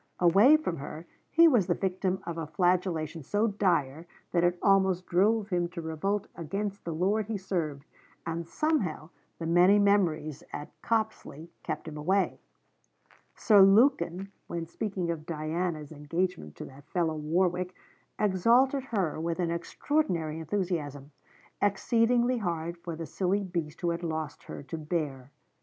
Away from her, he was the victim of a flagellation so dire that it almost drove him to revolt against the lord he served, and somehow the many memories at Copsley kept him away. Sir Lukin, when speaking of Diana's 'engagement to that fellow Warwick,' exalted her with an extraordinary enthusiasm, exceedingly hard for the silly beast who had lost her to bear.